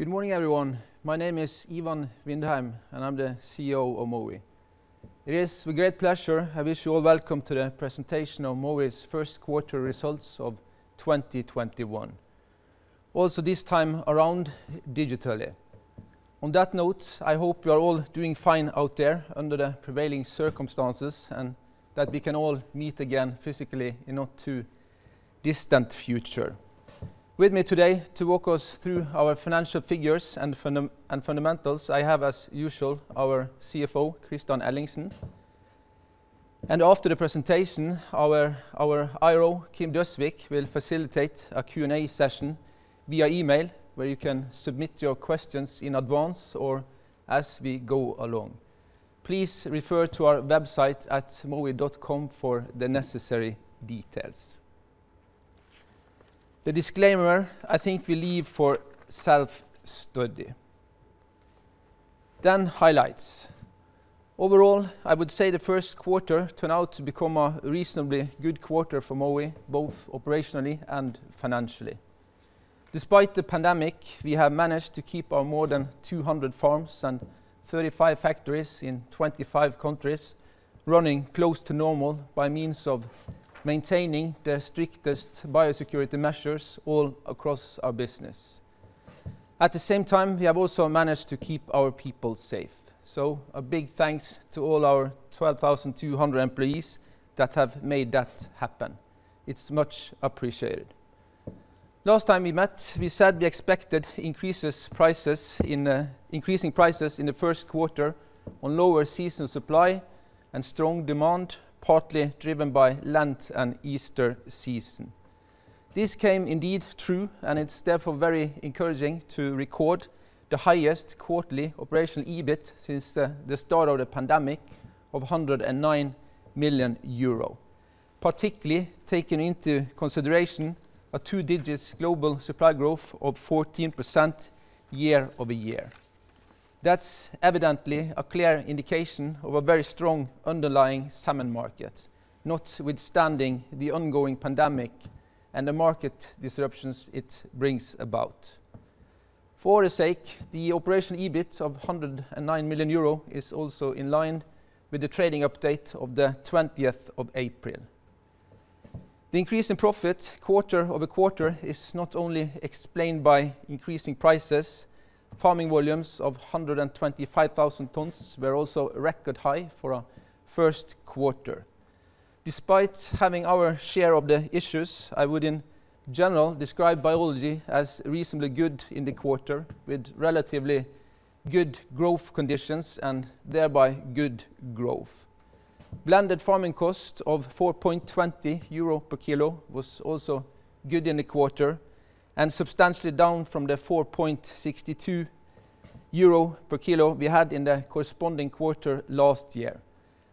Good morning, everyone. My name is Ivan Vindheim, and I'm the CEO of Mowi. It is with great pleasure, I wish you all welcome to the presentation of Mowi's first quarter results of 2021. This time around, digitally. On that note, I hope you are all doing fine out there under the prevailing circumstances, and that we can all meet again physically in not too distant future. With me today to walk us through our financial figures and fundamentals, I have, as usual, our CFO, Kristian Ellingsen. After the presentation, our IR, Kim Galtung Døsvig, will facilitate a Q&A session via email, where you can submit your questions in advance or as we go along. Please refer to our website at mowi.com for the necessary details. The disclaimer, I think we leave for self-study. Then highlights. Overall, I would say the first quarter turned out to become a reasonably good quarter for Mowi, both operationally and financially. Despite the pandemic, we have managed to keep our more than 200 farms and 35 factories in 25 countries running close to normal by means of maintaining the strictest biosecurity measures all across our business. At the same time, we have also managed to keep our people safe. A big thanks to all our 12,200 employees that have made that happen. It's much appreciated. Last time we met, we said we expected increasing prices in the first quarter on lower season supply and strong demand, partly driven by Lent and Easter season. This came indeed true, and it's therefore very encouraging to record the highest quarterly operational EBIT since the start of the pandemic of 109 million euro. Particularly, taking into consideration a two-digit global supply growth of 14% year-over-year. That's evidently a clear indication of a very strong underlying salmon market, notwithstanding the ongoing pandemic and the market disruptions it brings about. For its sake, the operational EBIT of 109 million euro is also in line with the trading update of the 20th of April. The increase in profits quarter-over-quarter is not only explained by increasing prices. Farming volumes of 125,000 tons were also a record high for our first quarter. Despite having our share of the issues, I would, in general, describe biology as reasonably good in the quarter, with relatively good growth conditions and thereby good growth. Blended farming cost of 4.20 euro per kilo was also good in the quarter and substantially down from the 4.62 euro per kilo we had in the corresponding quarter last year,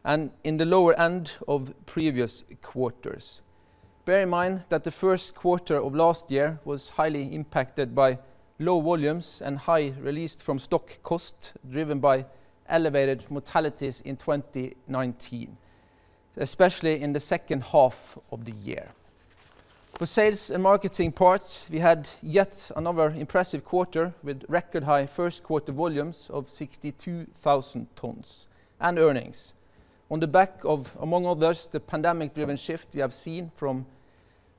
and in the lower end of previous quarters. Bear in mind that the first quarter of last year was highly impacted by low volumes and high release from stock cost, driven by elevated mortalities in 2019, especially in the second half of the year. For sales and marketing parts, we had yet another impressive quarter with record high first quarter volumes of 62,000 tons and earnings. On the back of, among others, the pandemic-driven shift we have seen from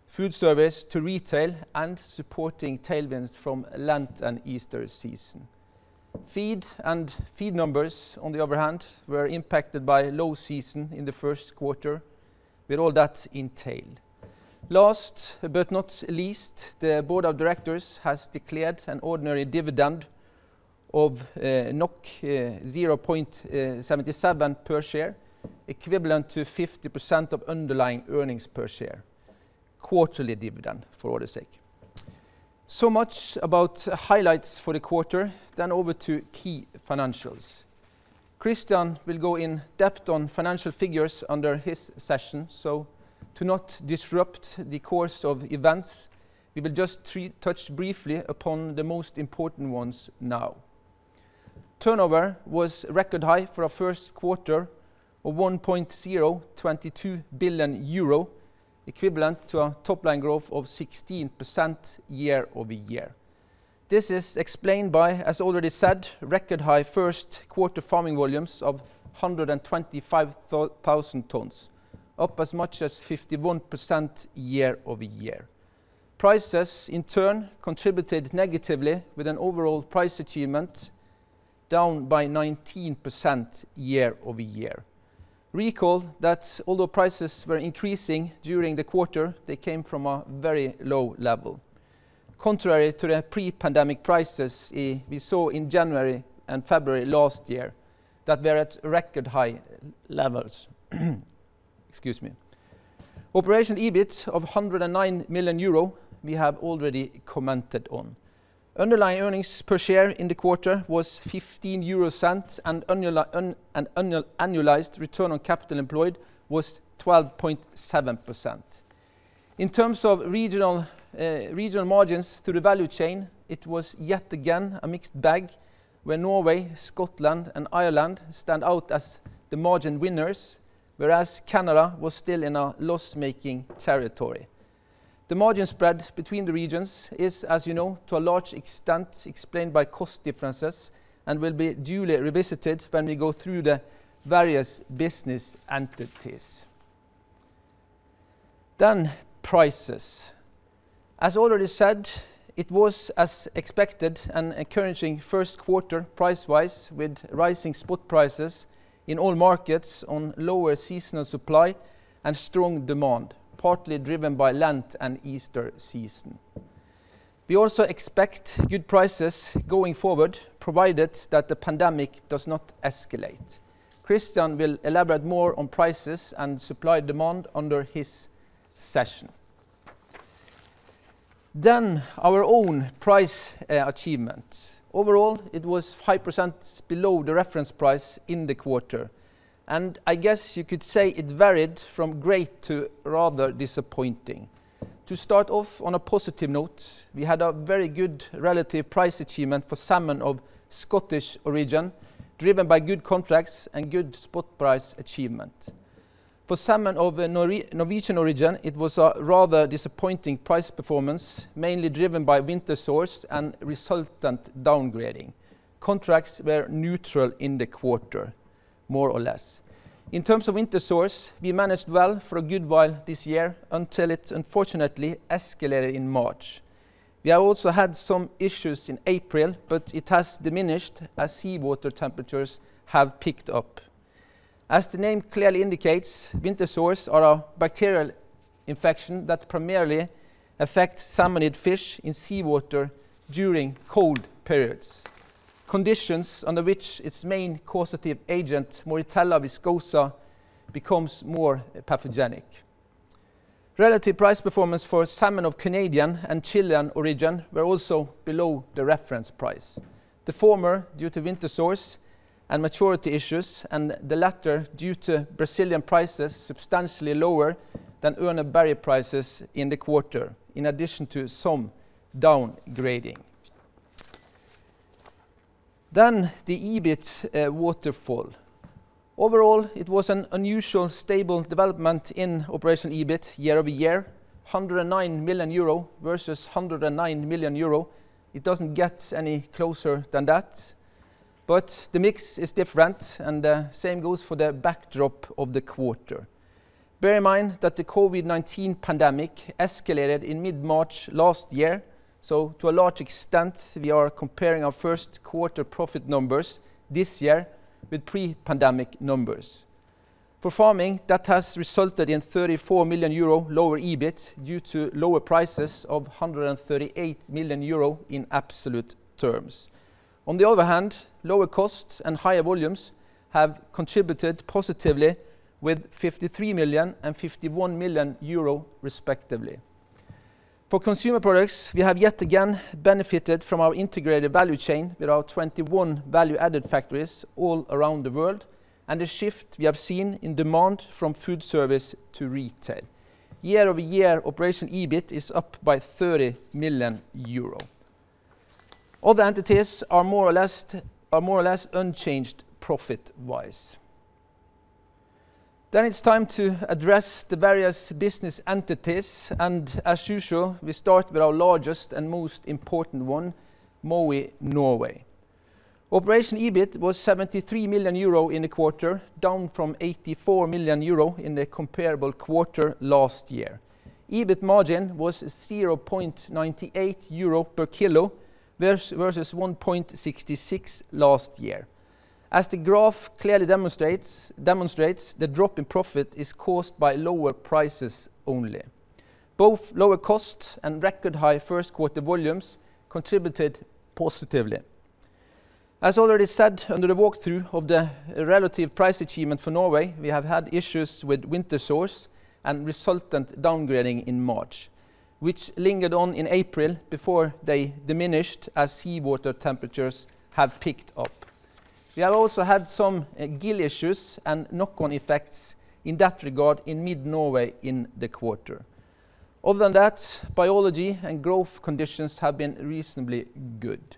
food service to retail and supporting tailwinds from Lent and Easter season. Feed and feed numbers, on the other hand, were impacted by low season in the first quarter with all that entailed. Last but not least, the board of directors has declared an ordinary dividend of 0.77 per share, equivalent to 50% of underlying earnings per share. Quarterly dividend, for all its sake. Much about highlights for the quarter. Over to key financials. Kristian will go in depth on financial figures under his session. To not disrupt the course of events, we will just touch briefly upon the most important ones now. Turnover was record high for our first quarter of 1.022 billion euro, equivalent to a top line growth of 16% year-over-year. This is explained by, as already said, record high first quarter farming volumes of 125,000 tons, up as much as 51% year-over-year. Prices, in turn, contributed negatively with an overall price achievement down by 19% year-over-year. Recall that although prices were increasing during the quarter, they came from a very low level. Contrary to the pre-pandemic prices we saw in January and February last year, that they're at record high levels. Excuse me. Operational EBIT of 109 million euro, we have already commented on. Underlying earnings per share in the quarter was 0.15, and annualized return on capital employed was 12.7%. In terms of regional margins through the value chain, it was yet again a mixed bag, where Norway, Scotland, and Ireland stand out as the margin winners, whereas Canada was still in a loss-making territory. The margin spread between the regions is, as you know, to a large extent explained by cost differences and will be duly revisited when we go through the various business entities. Then prices. As already said, it was as expected, an encouraging first quarter price-wise with rising spot prices in all markets on lower seasonal supply and strong demand, partly driven by Lent and Easter season. We also expect good prices going forward, provided that the pandemic does not escalate. Kristian will elaborate more on prices and supply-demand under his session. Our own price achievement. Overall, it was 5% below the reference price in the quarter, and I guess you could say it varied from great to rather disappointing. To start off on a positive note, we had a very good relative price achievement for salmon of Scottish origin, driven by good contracts and good spot price achievement. For salmon of Norwegian origin, it was a rather disappointing price performance, mainly driven by winter sores and resultant downgrading. Contracts were neutral in the quarter, more or less. In terms of winter sores, we managed well for a good while this year until it unfortunately escalated in March. We have also had some issues in April, but it has diminished as seawater temperatures have picked up. As the name clearly indicates, winter sores are a bacterial infection that primarily affects salmonid fish in seawater during cold periods, conditions under which its main causative agent, Moritella viscosa, becomes more pathogenic. Relative price performance for salmon of Canadian and Chilean origin were also below the reference price, the former due to winter sores and maturity issues, and the latter due to Brazilian prices substantially lower than Urner Barry prices in the quarter, in addition to some downgrading. The EBIT waterfall. Overall, it was an unusual stable development in operational EBIT year-over-year, 109 million euro versus 109 million euro. It doesn't get any closer than that. The mix is different and the same goes for the backdrop of the quarter. Bear in mind that the COVID-19 pandemic escalated in mid-March last year, to a large extent, we are comparing our first quarter profit numbers this year with pre-pandemic numbers. For farming, that has resulted in 34 million euro lower EBIT due to lower prices of 138 million euro in absolute terms. On the other hand, lower costs and higher volumes have contributed positively with 53 million and 51 million euro respectively. For Consumer Products, we have yet again benefited from our integrated value chain with our 21 value-added factories all around the world and the shift we have seen in demand from food service to retail. Year-over-year operational EBIT is up by 30 million euro. Other entities are more or less unchanged profit-wise. It's time to address the various business entities, and as usual, we start with our largest and most important one, Mowi Norway. Operational EBIT was 73 million euro in the quarter, down from 84 million euro in the comparable quarter last year. EBIT margin was 0.98 euro per kilo versus 1.66 last year. As the graph clearly demonstrates, the drop in profit is caused by lower prices only. Both lower costs and record high first quarter volumes contributed positively. As already said under the walkthrough of the relative price achievement for Norway, we have had issues with winter sores and resultant downgrading in March, which lingered on in April before they diminished as seawater temperatures have picked up. We have also had some gill issues and knock-on effects in that regard in Mid-Norway in the quarter. Other than that, biology and growth conditions have been reasonably good.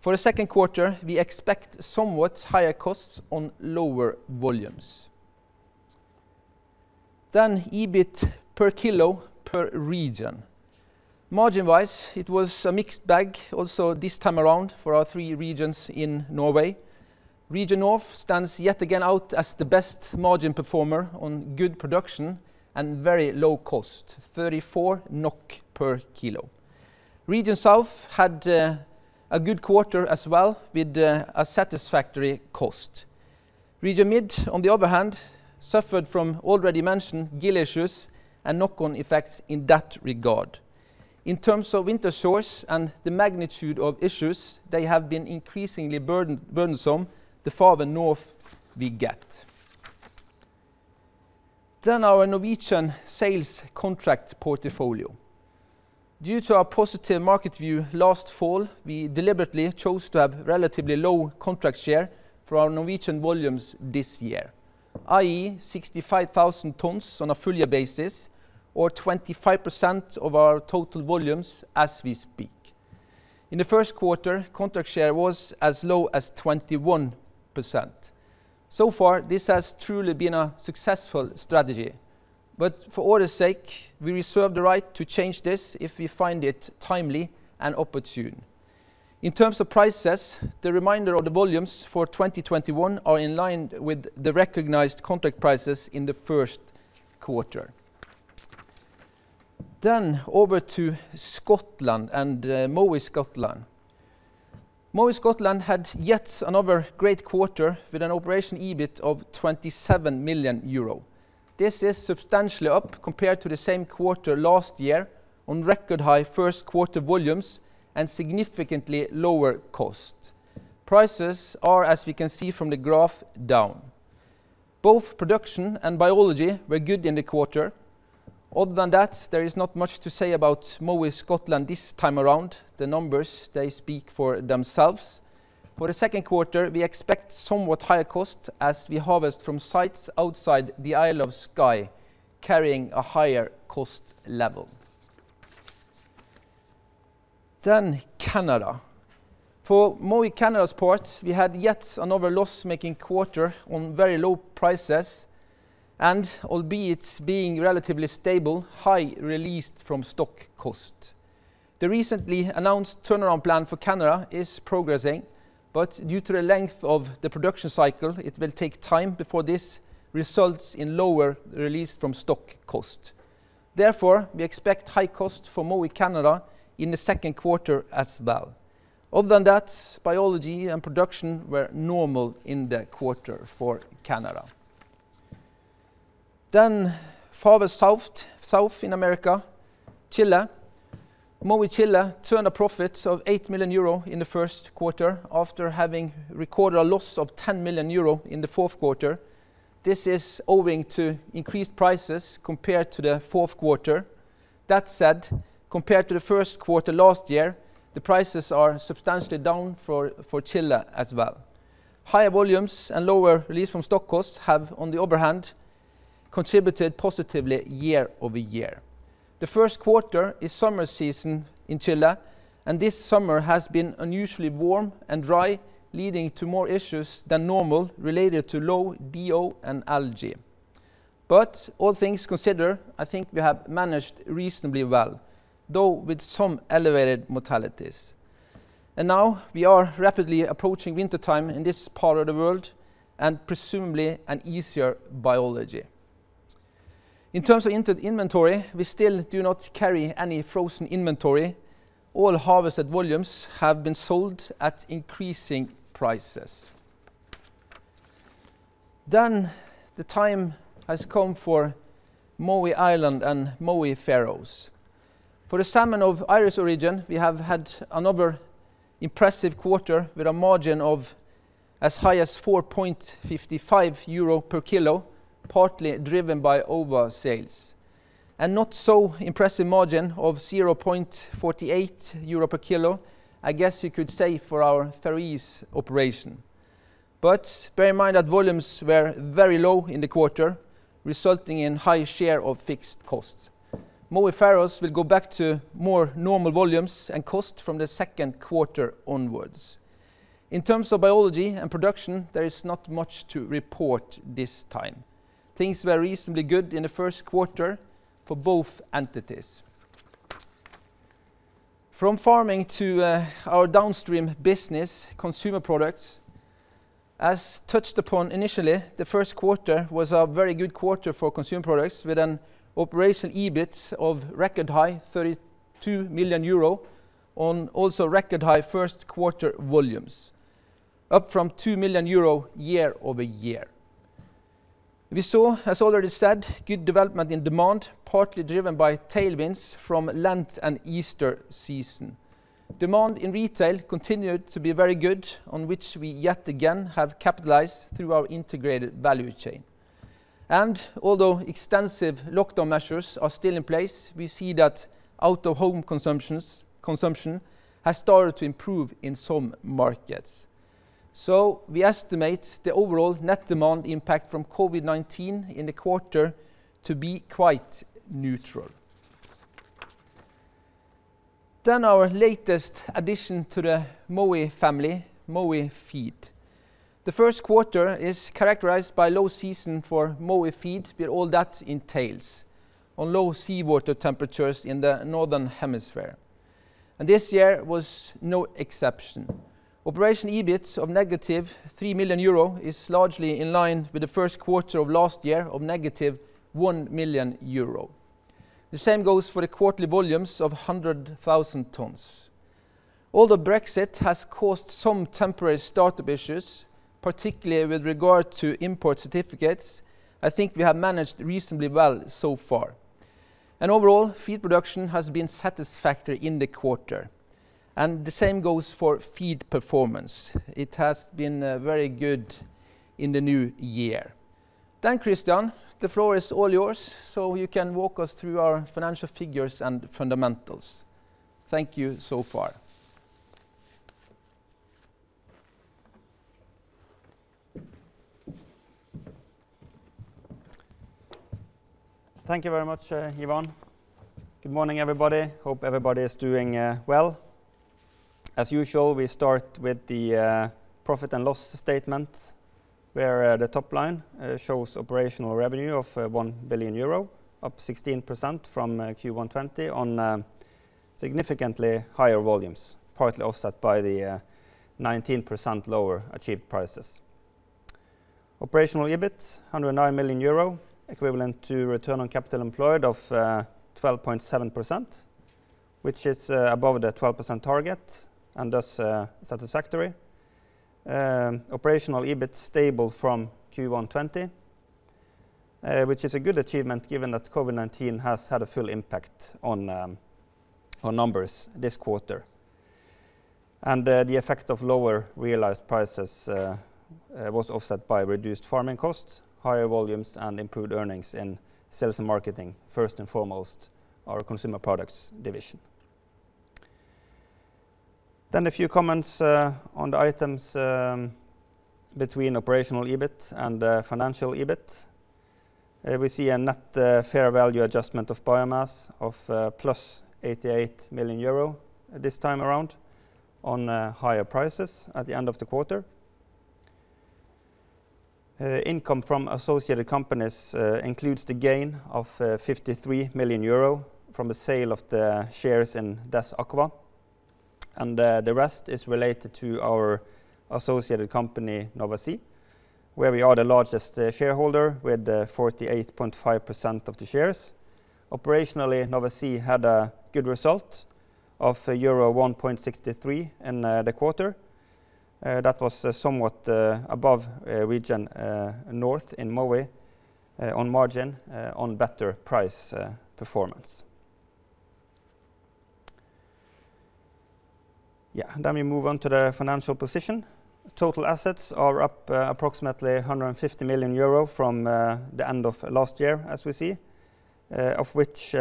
For the second quarter, we expect somewhat higher costs on lower volumes. EBIT per kilo per region. Margin-wise, it was a mixed bag also this time around for our three regions in Norway. Region North stands yet again out as the best margin performer on good production and very low cost, 34 NOK per kilo. Region South had a good quarter as well with a satisfactory cost. Region Mid, on the other hand, suffered from already mentioned gill issues and knock-on effects in that regard. In terms of winter sores and the magnitude of issues, they have been increasingly burdensome the farther north we get. Our Norwegian sales contract portfolio. Due to our positive market view last fall, we deliberately chose to have relatively low contract share for our Norwegian volumes this year, i.e., 65,000 tons on a full year basis or 25% of our total volumes as we speak. In the first quarter, contract share was as low as 21%. This has truly been a successful strategy, but for order's sake, we reserve the right to change this if we find it timely and opportune. In terms of prices, the remainder of the volumes for 2021 are in line with the recognized contract prices in the first quarter. Over to Scotland and Mowi Scotland. Mowi Scotland had yet another great quarter with an operational EBIT of 27 million euro. This is substantially up compared to the same quarter last year on record high first quarter volumes and significantly lower cost. Prices are, as we can see from the graph, down. Both production and biology were good in the quarter. There is not much to say about Mowi Scotland this time around. The numbers, they speak for themselves. For the second quarter, we expect somewhat higher costs as we harvest from sites outside the Isle of Skye, carrying a higher cost level. Canada. For Mowi Canada's part, we had yet another loss-making quarter on very low prices, and albeit being relatively stable, high released from stock cost. The recently announced turnaround plan for Canada is progressing, but due to the length of the production cycle, it will take time before this results in lower release from stock cost. We expect high cost for Mowi Canada in the second quarter as well. Biology and production were normal in the quarter for Canada. Farther south in America, Chile. Mowi Chile turned a profit of 8 million euro in the first quarter after having recorded a loss of 10 million euro in the fourth quarter. This is owing to increased prices compared to the fourth quarter. That said, compared to the first quarter last year, the prices are substantially down for Chile as well. Higher volumes and lower release from stock costs have, on the other hand, contributed positively year-over-year. The first quarter is summer season in Chile, and this summer has been unusually warm and dry, leading to more issues than normal related to low DO and algae. All things considered, I think we have managed reasonably well, though with some elevated mortalities. Now we are rapidly approaching wintertime in this part of the world and presumably an easier biology. In terms of inventory, we still do not carry any frozen inventory. All harvested volumes have been sold at increasing prices. The time has come for Mowi Ireland and Mowi Faroe Islands. For the salmon of Irish origin, we have had another impressive quarter with a margin of as high as 4.55 euro per kilo, partly driven by ova sales. Not so impressive margin of 0.48 euro per kilo, I guess you could say, for our Faroese operation. Bear in mind that volumes were very low in the quarter, resulting in high share of fixed costs. Mowi Faroe Islands will go back to more normal volumes and cost from the second quarter onwards. In terms of biology and production, there is not much to report this time. Things were reasonably good in the first quarter for both entities. From farming to our downstream business, Mowi Consumer Products. As touched upon initially, the first quarter was a very good quarter for Mowi Consumer Products with an Operational EBIT of record high 32 million euro on also record high first quarter volumes, up from two million EUR year-over-year. We saw, as already said, good development in demand, partly driven by tailwinds from Lent and Easter season. Demand in retail continued to be very good, on which we yet again have capitalized through our integrated value chain. Although extensive lockdown measures are still in place, we see that out-of-home consumption has started to improve in some markets. We estimate the overall net demand impact from COVID-19 in the quarter to be quite neutral. Our latest addition to the Mowi family, Mowi Feed. The first quarter is characterized by low season for Mowi Feed with all that entails on low seawater temperatures in the northern hemisphere. This year was no exception. Operational EBIT of negative 3 million euro is largely in line with the first quarter of last year of negative 1 million euro. The same goes for the quarterly volumes of 100,000 tons. Although Brexit has caused some temporary startup issues, particularly with regard to import certificates, I think we have managed reasonably well so far. Overall, feed production has been satisfactory in the quarter, and the same goes for feed performance. It has been very good in the new year. Kristian, the floor is all yours, so you can walk us through our financial figures and fundamentals. Thank you so far. Thank you very much, Ivan. Good morning, everybody. Hope everybody is doing well. As usual, we start with the profit and loss statement, where the top line shows operational revenue of 1 billion euro, up 16% from Q1 2020 on significantly higher volumes, partly offset by the 19% lower achieved prices. Operational EBIT, 109 million euro, equivalent to return on capital employed of 12.7%, which is above the 12% target and thus satisfactory. Operational EBIT stable from Q1 2020, which is a good achievement given that COVID-19 has had a full impact on numbers this quarter. The effect of lower realized prices was offset by reduced farming costs, higher volumes, and improved earnings in sales and marketing, first and foremost our Mowi Consumer Products division. A few comments on the items between operational EBIT and financial EBIT. We see a net fair value adjustment of biomass of plus 88 million euro this time around on higher prices at the end of the quarter. Income from associated companies includes the gain of 53 million euro from the sale of the shares in DESS Aqua. The rest is related to our associated company, Nova Sea, where we are the largest shareholder with 48.5% of the shares. Operationally, Nova Sea had a good result of euro 1.63 in the quarter. That was somewhat above region North in Mowi on margin on better price performance. We move on to the financial position. Total assets are up approximately 150 million euro from the end of last year, as we see, of which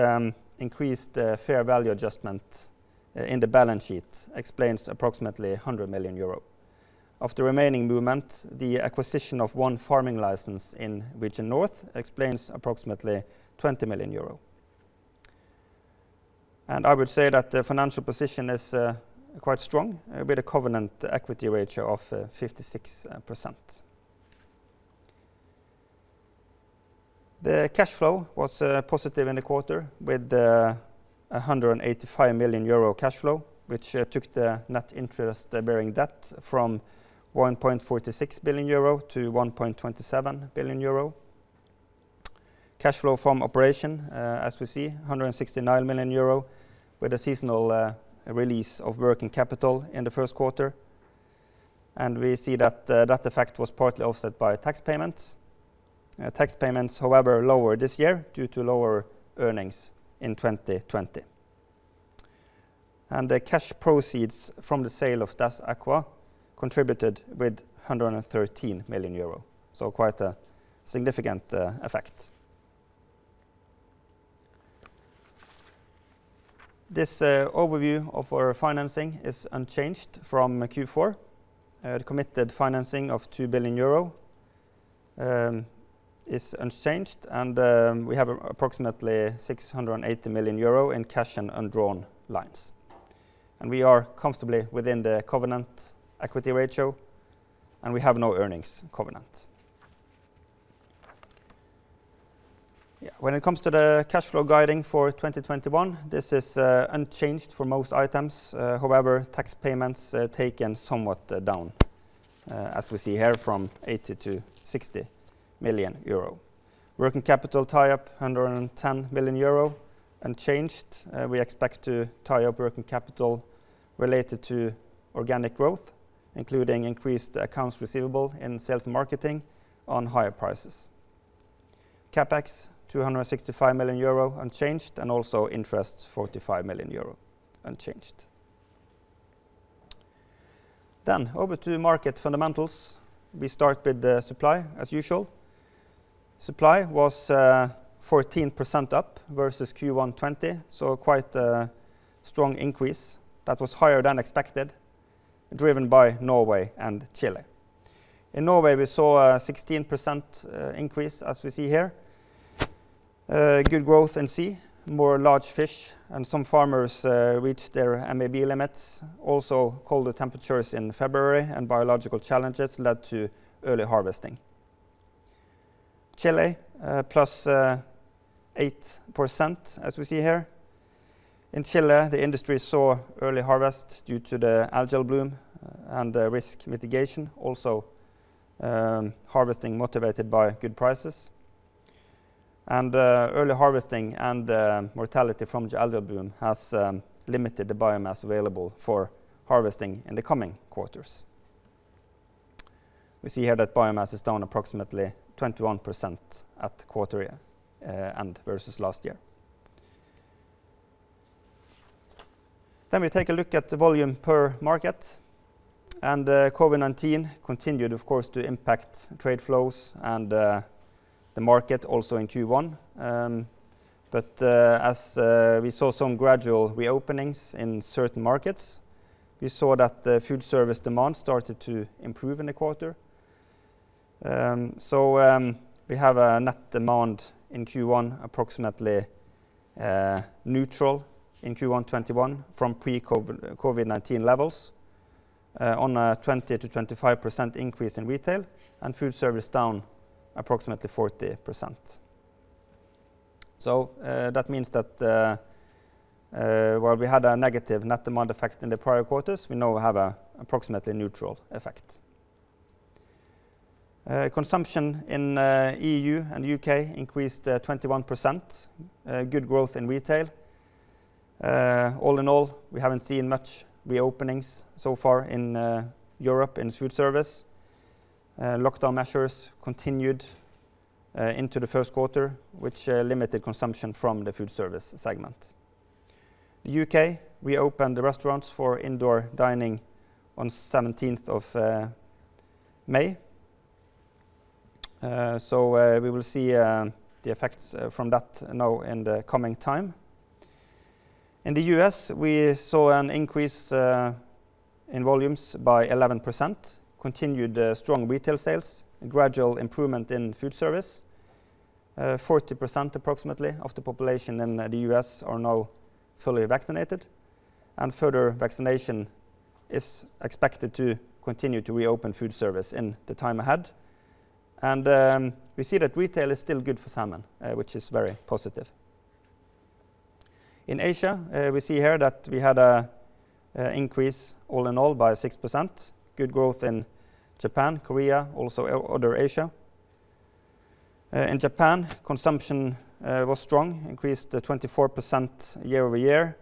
increased fair value adjustment in the balance sheet explains approximately 100 million euro. Of the remaining movement, the acquisition of one farming license in region North explains approximately 20 million euro. I would say that the financial position is quite strong with a covenant equity ratio of 56%. The cash flow was positive in the quarter with a 185 million euro cash flow, which took the net interest bearing debt from 1.46 billion euro to 1.27 billion euro. Cash flow from operation, as we see, 169 million euro with a seasonal release of working capital in the first quarter. We see that that effect was partly offset by tax payments. Tax payments, however, are lower this year due to lower earnings in 2020. The cash proceeds from the sale of DAS Aqua contributed with 113 million euro. Quite a significant effect. This overview of our financing is unchanged from Q4. The committed financing of 2 billion euro is unchanged, and we have approximately 680 million euro in cash and undrawn lines. We are comfortably within the covenant equity ratio, and we have no earnings covenant. When it comes to the cash flow guiding for 2021, this is unchanged for most items. However, tax payments taken somewhat down, as we see here, from 80 to 60 million euro. Working capital tie up, 110 million euro, unchanged. We expect to tie up working capital related to organic growth, including increased accounts receivable in sales and marketing on higher prices. CapEx, 265 million euro, unchanged, and also interest, 45 million euro, unchanged. Over to market fundamentals. We start with the supply as usual. Supply was 14% up versus Q1 2020, so quite a strong increase that was higher than expected, driven by Norway and Chile. In Norway, we saw a 16% increase, as we see here. Good growth in sea, more large fish, and some farmers reached their MAB limits. Also, colder temperatures in February and biological challenges led to early harvesting. Chile, plus 8%, as we see here. In Chile, the industry saw early harvest due to the algal bloom and risk mitigation, also harvesting motivated by good prices. Early harvesting and mortality from the algal bloom has limited the biomass available for harvesting in the coming quarters. We see here that biomass is down approximately 21% at quarter end versus last year. We take a look at the volume per market. COVID-19 continued, of course, to impact trade flows and the market also in Q1. As we saw some gradual reopenings in certain markets, we saw that the food service demand started to improve in the quarter. We have a net demand in Q1 approximately neutral in Q1 2021 from pre-COVID-19 levels, on a 20%-25% increase in retail and food service down approximately 40%. That means that while we had a negative net demand effect in the prior quarters, we now have an approximately neutral effect. Consumption in EU and U.K. increased 21%, good growth in retail. All in all, we haven't seen much re-openings so far in Europe in food service. Lockdown measures continued into the first quarter, which limited consumption from the food service segment. The U.K. reopened the restaurants for indoor dining on 17th of May. We will see the effects from that now in the coming time. In the U.S., we saw an increase in volumes by 11%, continued strong retail sales, gradual improvement in food service. 40% approximately of the population in the U.S. are now fully vaccinated. Further vaccination is expected to continue to reopen food service in the time ahead. We see that retail is still good for salmon, which is very positive. In Asia, we see here that we had an increase all in all by 6%. Good growth in Japan, Korea, also other Asia. In Japan, consumption was strong, increased 24% year-over-year.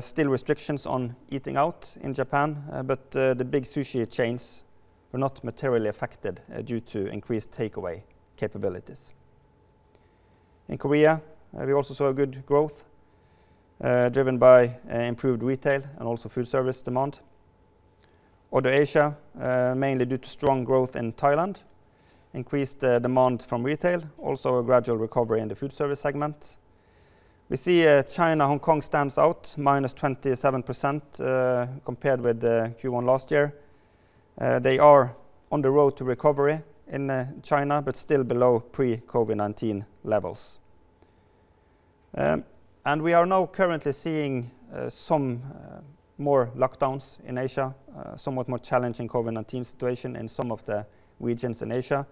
Still restrictions on eating out in Japan. The big sushi chains were not materially affected due to increased takeaway capabilities. In Korea, we also saw a good growth, driven by improved retail and also food service demand. Other Asia, mainly due to strong growth in Thailand, increased demand from retail, also a gradual recovery in the food service segment. We see China, Hong Kong stands out -27% compared with the Q1 last year. They are on the road to recovery in China, but still below pre-COVID-19 levels. We are now currently seeing some more lockdowns in Asia, somewhat more challenging COVID-19 situation in some of the regions in Asia.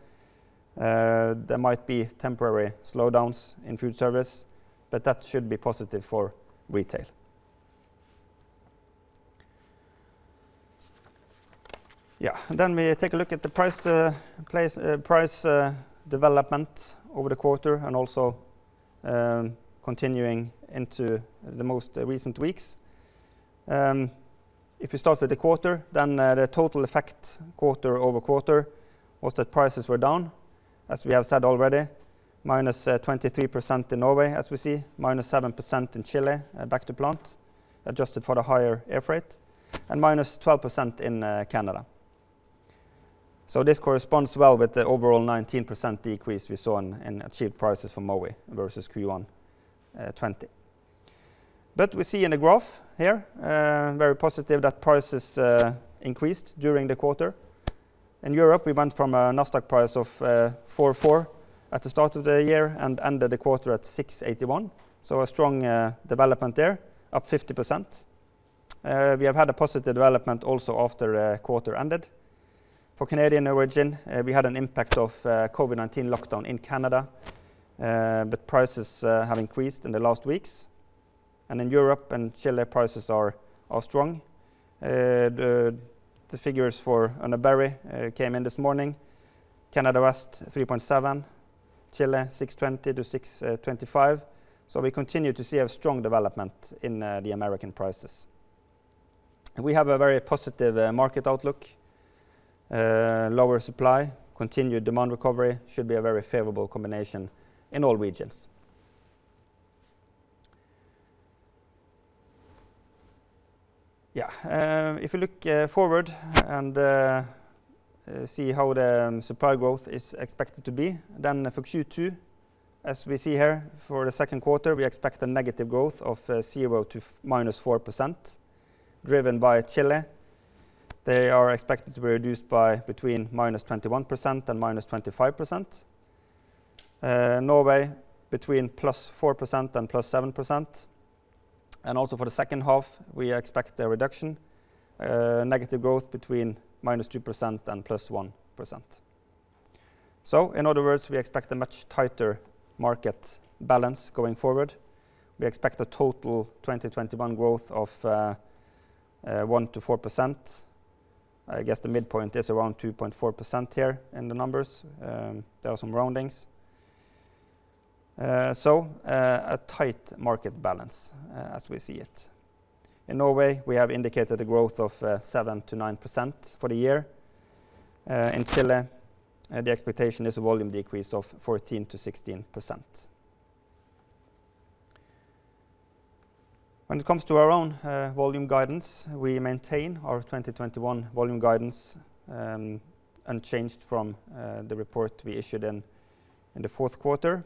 There might be temporary slowdowns in food service, but that should be positive for retail. We take a look at the price development over the quarter and also continuing into the most recent weeks. If you start with the quarter, the total effect quarter-over-quarter was that prices were down, as we have said already, -23% in Norway as we see, -7% in Chile back to plant, adjusted for the higher air freight, and -12% in Canada. This corresponds well with the overall 19% decrease we saw in achieved prices for Mowi versus Q1 2020. We see in the graph here, very positive that prices increased during the quarter. In Europe, we went from a NASDAQ price of 4.4 at the start of the year and ended the quarter at 6.81. A strong development there, up 50%. We have had a positive development also after the quarter ended. For Canadian origin, we had an impact of COVID-19 lockdown in Canada, prices have increased in the last weeks. In Europe and Chile, prices are strong. The figures for Urner Barry came in this morning. Canada West, 3.7. Chile, 6.20-6.25. We continue to see a strong development in the American prices. We have a very positive market outlook. Lower supply, continued demand recovery should be a very favorable combination in all regions. If you look forward and see how the supply growth is expected to be, then for Q2, as we see here, for the second quarter, we expect a negative growth of 0% to -4%, driven by Chile. They are expected to be reduced by between -21% and -25%. Norway, between +4% and +7%. Also for the second half, we expect a reduction, negative growth between -2% and +1%. In other words, we expect a much tighter market balance going forward. We expect a total 2021 growth of 1%-4%. I guess the midpoint is around 2.4% here in the numbers. There are some roundings. A tight market balance as we see it. In Norway, we have indicated a growth of 7%-9% for the year. In Chile, the expectation is a volume decrease of 14%-16%. When it comes to our own volume guidance, we maintain our 2021 volume guidance unchanged from the report we issued in the fourth quarter.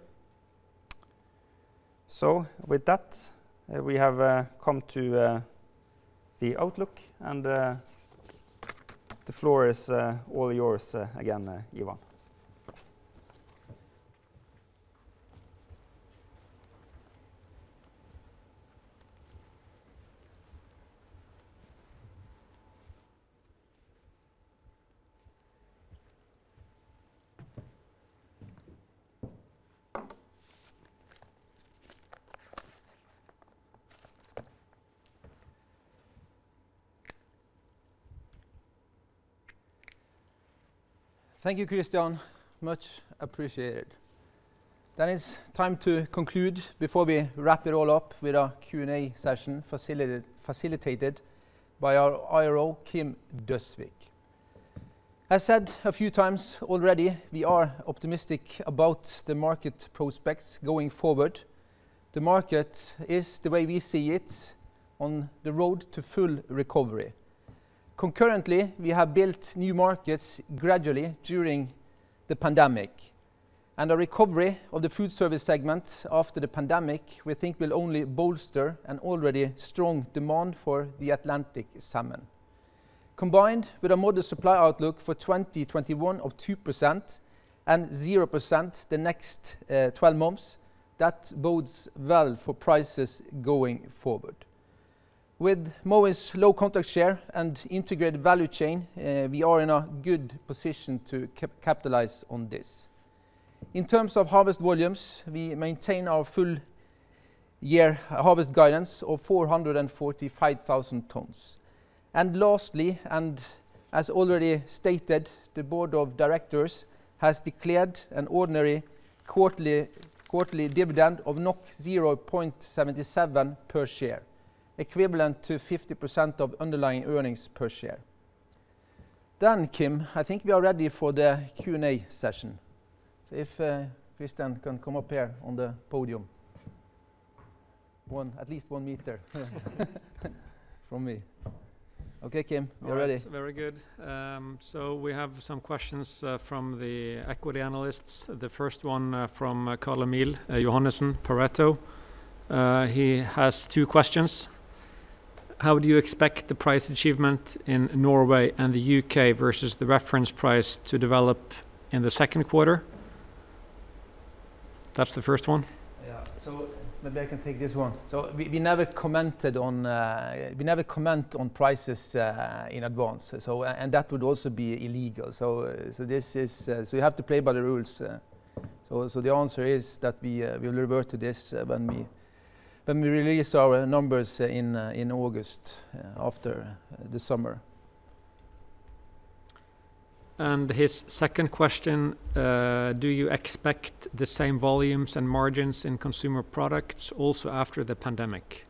With that, we have come to the outlook and the floor is all yours again, Ivan. Thank you, Kristian. Much appreciated. It's time to conclude before we wrap it all up with our Q&A session, facilitated by our IRO, Kim Døsvik. As said a few times already, we are optimistic about the market prospects going forward. The market is, the way we see it, on the road to full recovery. Concurrently, we have built new markets gradually during the pandemic, and a recovery of the food service segment after the pandemic, we think, will only bolster an already strong demand for the Atlantic salmon. Combined with a modest supply outlook for 2021 of 2% and 0% the next 12 months, that bodes well for prices going forward. With Mowi's low contract share and integrated value chain, we are in a good position to capitalize on this. In terms of harvest volumes, we maintain our full year harvest guidance of 445,000 tons. Lastly, as already stated, the board of directors has declared an ordinary quarterly dividend of 0.77 per share, equivalent to 50% of underlying earnings per share. Kim, I think we are ready for the Q&A session. If Kristian can come up here on the podium. At least one meter from me. Okay, Kim, we're ready. Yes, very good. We have some questions from the equity analysts. The first one from Carl-Emil Kjølås Johannessen, Pareto. He has two questions. How do you expect the price achievement in Norway and the U.K. versus the reference price to develop in the second quarter? That's the first one. Yeah. Maybe I can take this one. We never comment on prices in advance. That would also be illegal, so we have to play by the rules. The answer is that we'll revert to this when we release our numbers in August, after the summer. His second question, do you expect the same volumes and margins in Mowi Consumer Products also after the pandemic?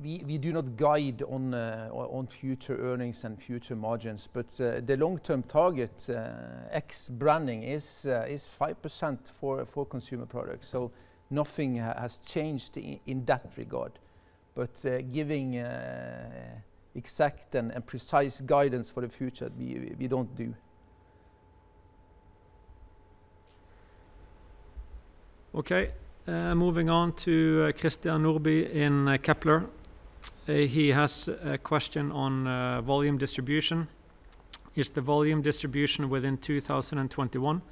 We do not guide on future earnings and future margins, but the long-term target ex branding is 5% for Mowi Consumer Products. Nothing has changed in that regard. Giving exact and precise guidance for the future, we don't do. Okay. Moving on to Christian Nordby in Kepler. He has a question on volume distribution. Is the volume distribution within 2021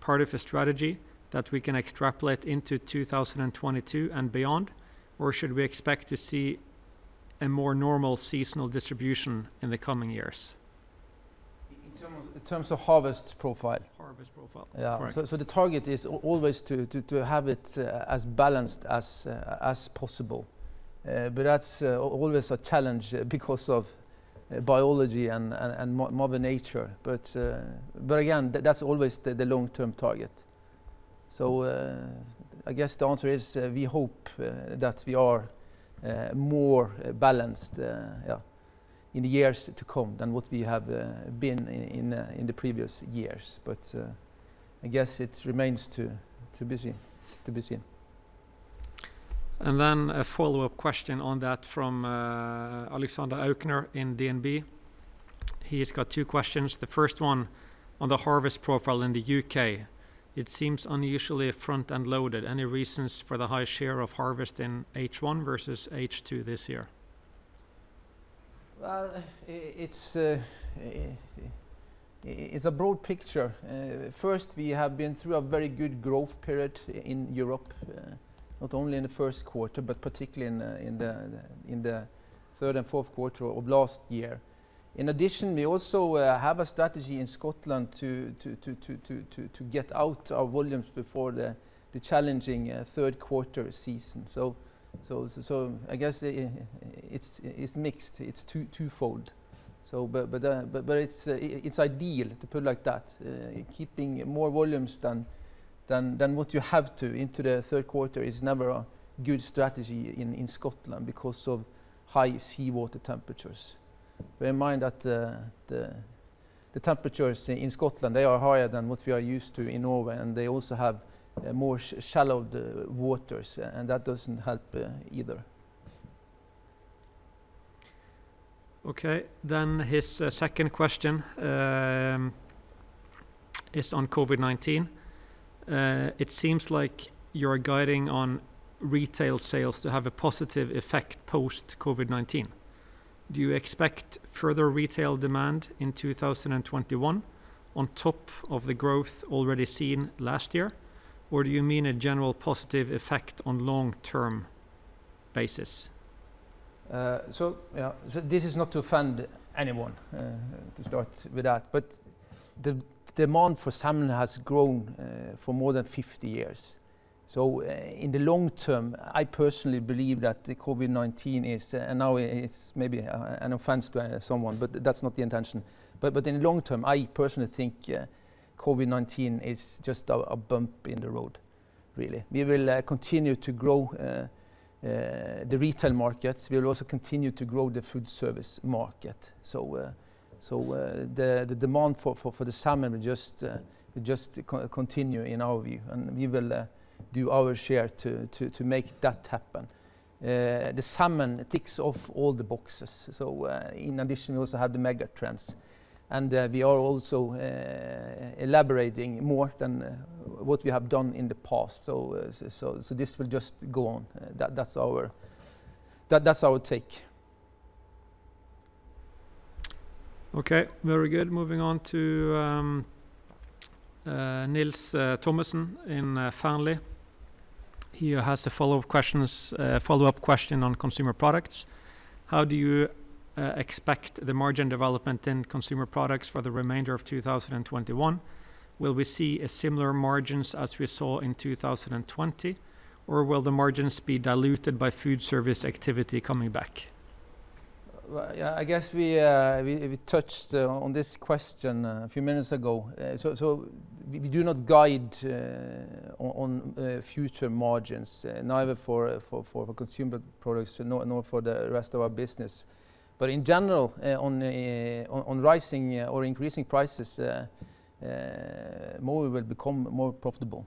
part of a strategy that we can extrapolate into 2022 and beyond, or should we expect to see a more normal seasonal distribution in the coming years? In terms of harvest profile? Harvest profile. Correct. The target is always to have it as balanced as possible. That's always a challenge because of biology and Mother Nature. Again, that's always the long-term target. I guess the answer is we hope that we are more balanced, yeah, in the years to come than what we have been in the previous years. I guess it remains to be seen. A follow-up question on that from Alexander Aukner in DNB. He has got two questions. The first one on the harvest profile in the U.K. It seems unusually front-end loaded. Any reasons for the high share of harvest in H1 versus H2 this year? Well, it's a broad picture. First, we have been through a very good growth period in Europe, not only in the first quarter, but particularly in the third and fourth quarter of last year. In addition, we also have a strategy in Scotland to get out our volumes before the challenging third quarter season. I guess it's mixed. It's twofold. It's ideal, to put it like that. Keeping more volumes than what you have to into the third quarter is never a good strategy in Scotland because of high seawater temperatures. Bear in mind that the temperatures in Scotland, they are higher than what we are used to in Norway, and they also have more shallow waters, and that doesn't help either. Okay. His second question is on COVID-19. It seems like you're guiding on retail sales to have a positive effect post-COVID-19. Do you expect further retail demand in 2021 on top of the growth already seen last year, or do you mean a general positive effect on long-term basis? This is not to offend anyone, to start with that, but the demand for salmon has grown for more than 50 years. In the long term, I personally believe that the COVID-19 is, and now it's maybe an offense to someone, but that's not the intention, but in the long term, I personally think COVID-19 is just a bump in the road, really. We will continue to grow the retail markets. We'll also continue to grow the food service market. The demand for the salmon will just continue, in our view, and we will do our share to make that happen. The salmon ticks off all the boxes, so in addition, we also have the mega trends, and they are also elaborating more than what we have done in the past. This will just go on. That's our take. Okay. Very good. Moving on to Nils Thomassen in Fearnley. He has a follow-up question on Consumer Products. How do you expect the margin development in Consumer Products for the remainder of 2021? Will we see a similar margins as we saw in 2020, or will the margins be diluted by food service activity coming back? I guess we touched on this question a few minutes ago. We do not guide on future margins, neither for Consumer Products nor for the rest of our business. In general, on rising or increasing prices, Mowi will become more profitable.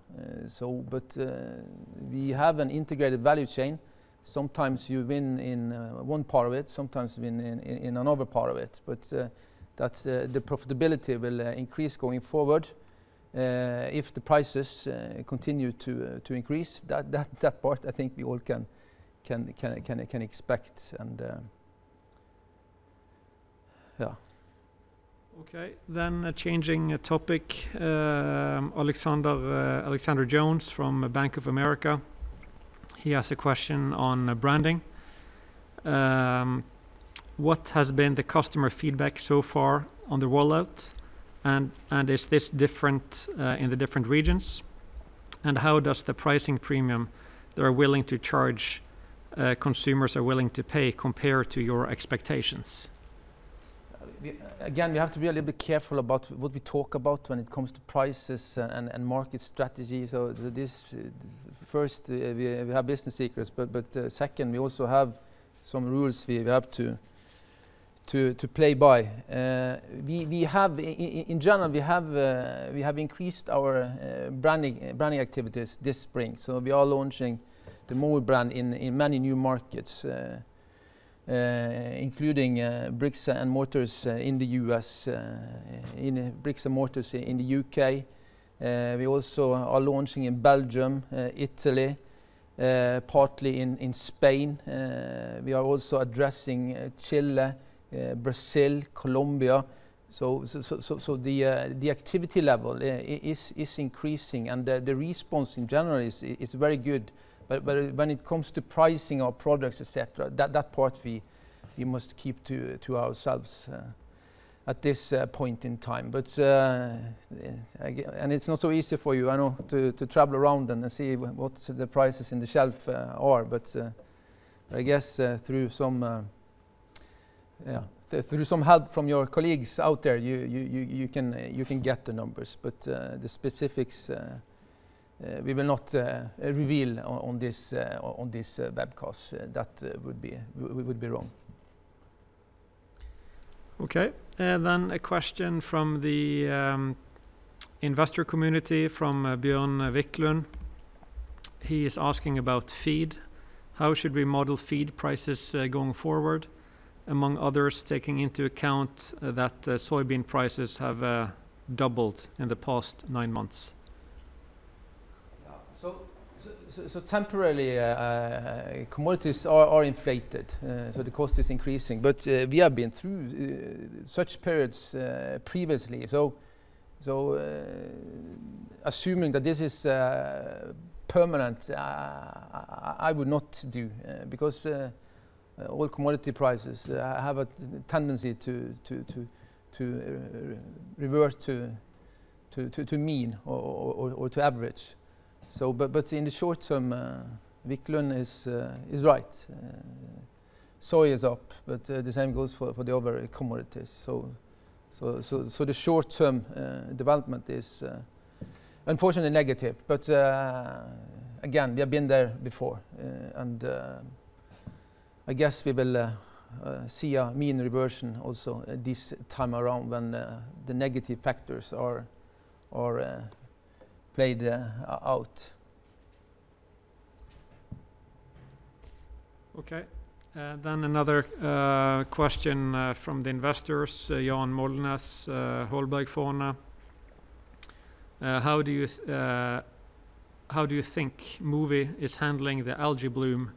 We have an integrated value chain. Sometimes you win in one part of it, sometimes you win in another part of it, but the profitability will increase going forward if the prices continue to increase. That part I think we all can expect. Okay. Changing topic, Alexander Jones from Bank of America, he has a question on branding. What has been the customer feedback so far on the rollout, and is this different in the different regions? How does the pricing premium they are willing to charge consumers are willing to pay compared to your expectations? We have to be a little bit careful about what we talk about when it comes to prices and market strategy. First, we have business secrets, second, we also have some rules we have to play by. In general, we have increased our branding activities this spring, we are launching the Mowi brand in many new markets, including bricks and mortars in the U.S., bricks and mortars in the U.K. We also are launching in Belgium, Italy, partly in Spain. We are also addressing Chile, Brazil, Colombia. The activity level is increasing, the response, in general, is very good. When it comes to pricing our products, et cetera, that part we must keep to ourselves at this point in time. It's not so easy for you, I know, to travel around and see what the prices on the shelf are, but I guess through some help from your colleagues out there, you can get the numbers. The specifics, we will not reveal on this webcast. That would be wrong. A question from the investor community, from Bjorn Wiklund. He is asking about feed. How should we model feed prices going forward, among others, taking into account that soybean prices have doubled in the past nine months? Temporarily, commodities are inflated, so the cost is increasing, but we have been through such periods previously. Assuming that this is permanent, I would not do, because all commodity prices have a tendency to revert to mean or to average. In the short term, Wiklund is right. soy is up, but the same goes for the other commodities. The short-term development is unfortunately negative, but again, we have been there before, and I guess we will see a mean reversion also this time around when the negative factors are played out. Okay. Another question from the investors, Jann Molnes, Holberg Fondene. How do you think Mowi is handling the algae bloom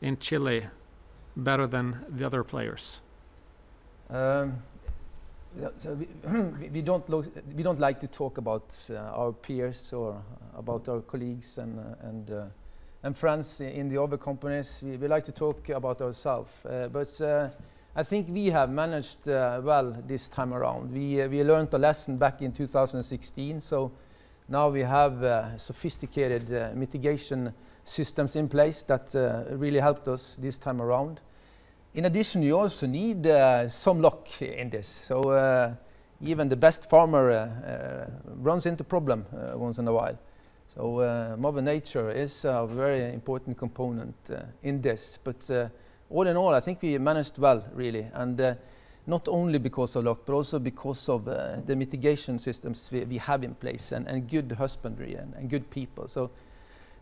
in Chile better than the other players? We don't like to talk about our peers or about our colleagues and friends in the other companies. We like to talk about ourselves. I think we have managed well this time around. We learned a lesson back in 2016, so now we have sophisticated mitigation systems in place that really helped us this time around. In addition, you also need some luck in this. Even the best farmer runs into problem once in a while. Mother Nature is a very important component in this. All in all, I think we managed well really. Not only because of luck, but also because of the mitigation systems we have in place and good husbandry and good people.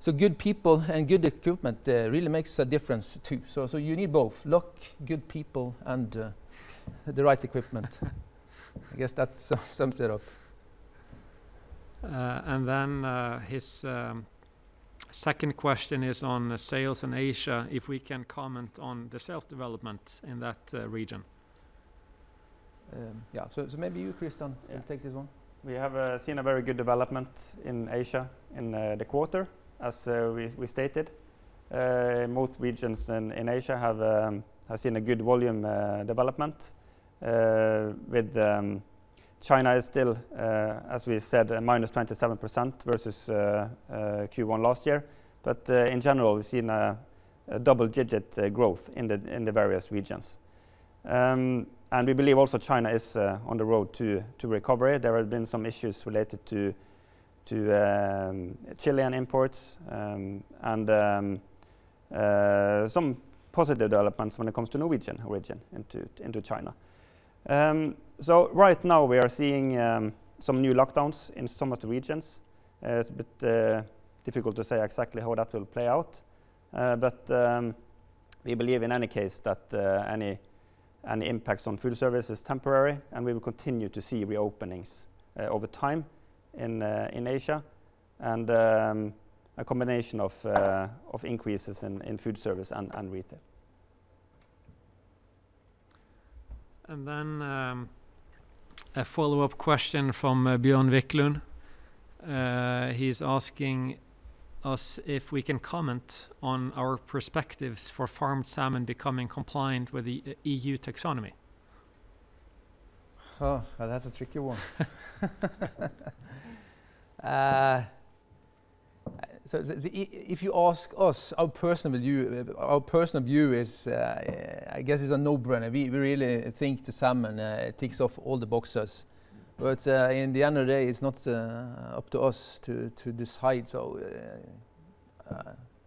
Good people and good equipment really makes a difference, too. You need both luck, good people, and the right equipment. I guess that sums it up. His second question is on sales in Asia, if we can comment on the sales development in that region. Yeah. Maybe you, Kristian, can take this one. We have seen a very good development in Asia in the quarter, as we stated. Most regions in Asia have seen a good volume development with China is still, as we said, a -27% versus Q1 last year. In general, we've seen a double-digit growth in the various regions. We believe also China is on the road to recovery. There have been some issues related to Chilean imports, and some positive developments when it comes to Norwegian origin into China. Right now we are seeing some new lockdowns in some of the regions. It's a bit difficult to say exactly how that will play out. We believe, in any case, that any impacts on food service is temporary, and we will continue to see reopenings over time in Asia and a combination of increases in food service and retail. A follow-up question from Bjorn Wiklund. He's asking us if we can comment on our perspectives for farmed salmon becoming compliant with the EU taxonomy. Oh, that's a tricky one. If you ask us, our personal view is, I guess it's a no-brainer. We really think the salmon ticks off all the boxes. In the end of the day, it's not up to us to decide,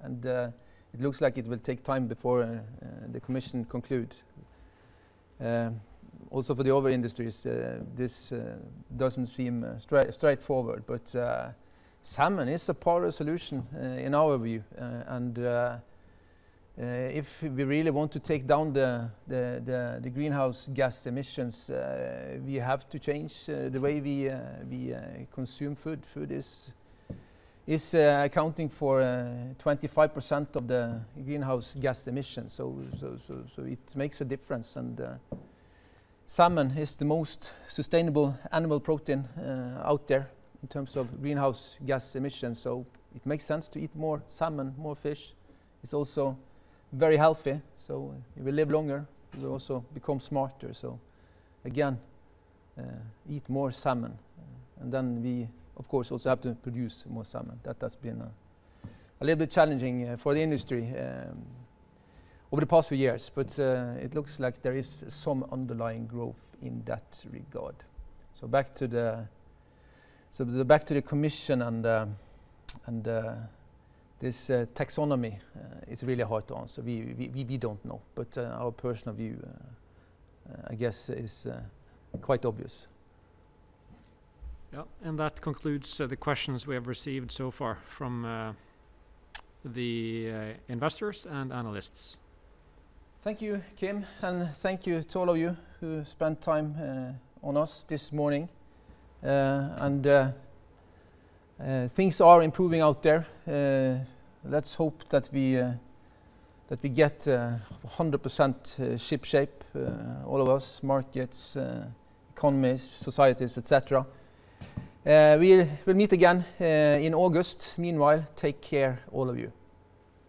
and it looks like it will take time before the commission conclude. Also for the other industries, this doesn't seem straightforward, but salmon is a part of the solution in our view. If we really want to take down the greenhouse gas emissions, we have to change the way we consume food. Food is accounting for 25% of the greenhouse gas emissions. It makes a difference, and salmon is the most sustainable animal protein out there in terms of greenhouse gas emissions. It makes sense to eat more salmon, more fish. It's also very healthy, so if we live longer, we also become smarter. Again, eat more salmon. We, of course, also have to produce more salmon. That has been a little bit challenging for the industry over the past few years. It looks like there is some underlying growth in that regard. Back to the commission and this taxonomy. It's really hard to answer. We don't know, but our personal view, I guess, is quite obvious. Yeah. That concludes the questions we have received so far from the investors and analysts. Thank you, Kim, and thank you to all of you who spent time on us this morning. Things are improving out there. Let's hope that we get 100% shipshape, all of us, markets, economies, societies, et cetera. We will meet again in August. Meanwhile, take care all of you.